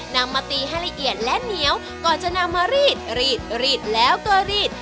นำมาตีให้ละเอียดและเหนียวก่อนจะนำมารีดรีดรีดแล้วก็รีด